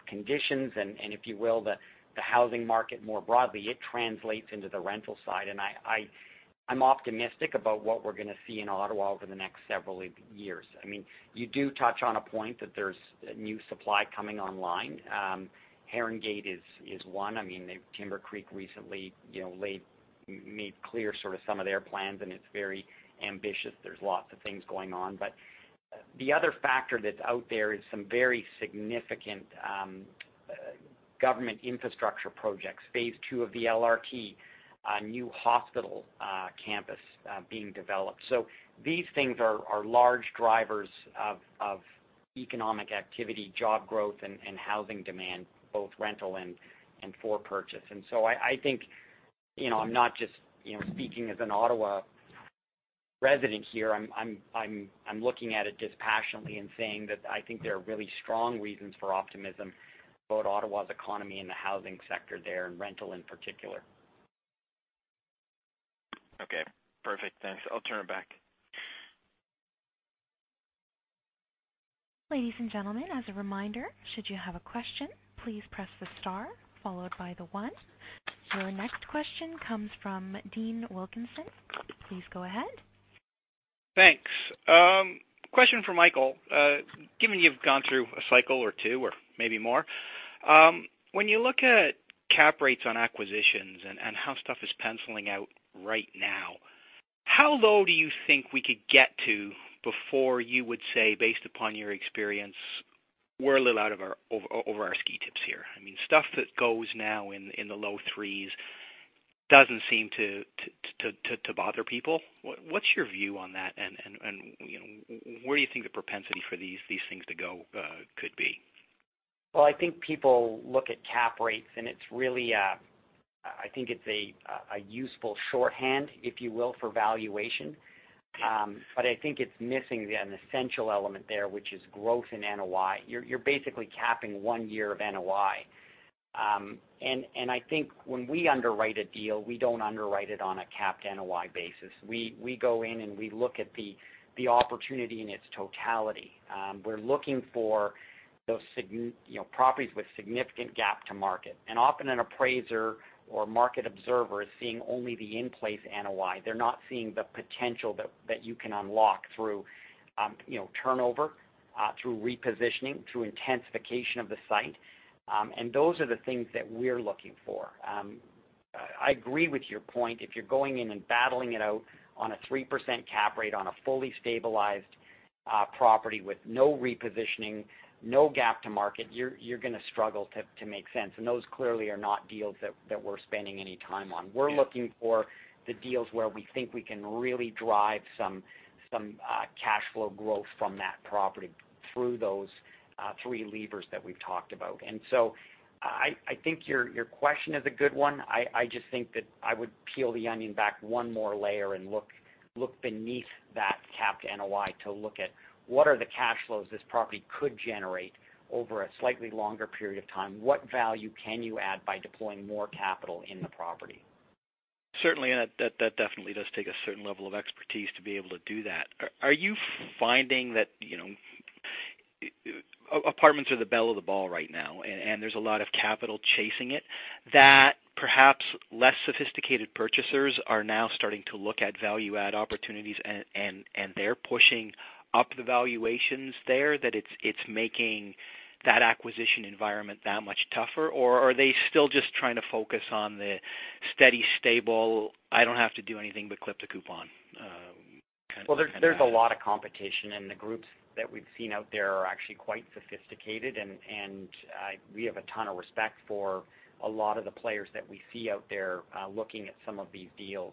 conditions and, if you will, the housing market more broadly. It translates into the rental side. I'm optimistic about what we're going to see in Ottawa over the next several years. You do touch on a point that there's new supply coming online. Heron Gate is one. Timbercreek recently made clear sort of some of their plans, and it's very ambitious. There's lots of things going on. The other factor that's out there is some very significant government infrastructure projects. Phase 2 of the LRT, a new hospital campus being developed. These things are large drivers of economic activity, job growth, and housing demand, both rental and for purchase. I think I'm not just speaking as an Ottawa resident here. I'm looking at it dispassionately and saying that I think there are really strong reasons for optimism about Ottawa's economy and the housing sector there, and rental in particular. Okay, perfect. Thanks. I'll turn it back. Ladies and gentlemen, as a reminder, should you have a question, please press the star followed by one. Our next question comes from Dean Wilkinson. Please go ahead. Thanks. Question for Michael. Given you've gone through a cycle or two or maybe more, when you look at cap rates on acquisitions and how stuff is penciling out right now, how low do you think we could get to before you would say, based upon your experience, we're a little out over our ski tips here? Stuff that goes now in the low threes doesn't seem to bother people. What's your view on that, and where do you think the propensity for these things to go could be? I think people look at cap rates, and it's really a useful shorthand, if you will, for valuation. I think it's missing an essential element there, which is growth in NOI. You're basically capping one year of NOI. I think when we underwrite a deal, we don't underwrite it on a capped NOI basis. We go in and we look at the opportunity in its totality. We're looking for those properties with significant gain to lease. Often an appraiser or market observer is seeing only the in-place NOI. They're not seeing the potential that you can unlock through turnover, through repositioning, through intensification of the site. Those are the things that we're looking for. I agree with your point. If you're going in and battling it out on a 3% cap rate on a fully stabilized property with no repositioning, no gain to lease, you're going to struggle to make sense. Those clearly are not deals that we're spending any time on. We're looking for the deals where we think we can really drive some cash flow growth from that property through those three levers that we've talked about. I think your question is a good one. I just think that I would peel the onion back one more layer and look beneath that capped NOI to look at what are the cash flows this property could generate over a slightly longer period of time. What value can you add by deploying more capital in the property? Certainly, that definitely does take a certain level of expertise to be able to do that. Are you finding that apartments are the belle of the ball right now, there's a lot of capital chasing it, that perhaps less sophisticated purchasers are now starting to look at value add opportunities and they're pushing up the valuations there? That it's making that acquisition environment that much tougher? Are they still just trying to focus on the steady, stable, I don't have to do anything but clip the coupon kind of asset? There's a lot of competition, the groups that we've seen out there are actually quite sophisticated. We have a ton of respect for a lot of the players that we see out there looking at some of these deals.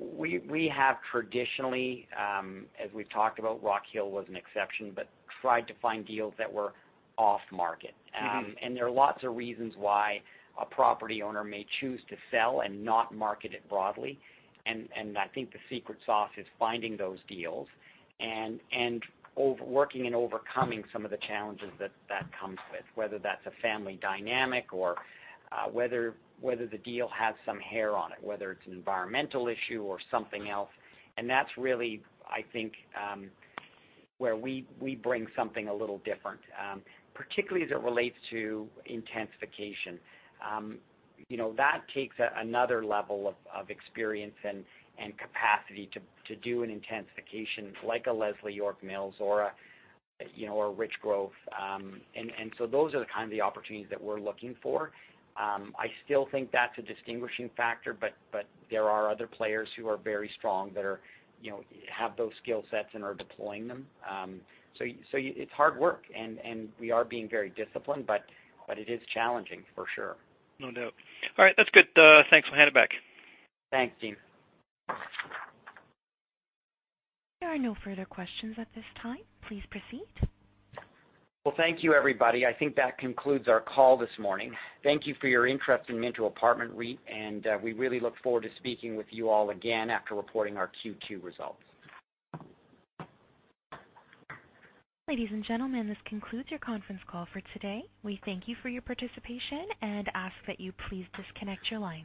We have traditionally, as we've talked about, Rockhill was an exception, tried to find deals that were off-market. There are lots of reasons why a property owner may choose to sell and not market it broadly. I think the secret sauce is finding those deals and working and overcoming some of the challenges that that comes with, whether that's a family dynamic or whether the deal has some hair on it, whether it's an environmental issue or something else. That's really, I think, where we bring something a little different, particularly as it relates to intensification. That takes another level of experience and capacity to do an intensification like a Leslie York Mills or a Richgrove. Those are the kinds of opportunities that we're looking for. I still think that's a distinguishing factor, but there are other players who are very strong that have those skill sets and are deploying them. It's hard work, and we are being very disciplined, but it is challenging for sure. No doubt. All right. That's good. Thanks. I'll hand it back. Thanks, Dean. There are no further questions at this time. Please proceed. Well, thank you, everybody. I think that concludes our call this morning. Thank you for your interest in Minto Apartment REIT, and we really look forward to speaking with you all again after reporting our Q2 results. Ladies and gentlemen, this concludes your conference call for today. We thank you for your participation and ask that you please disconnect your lines.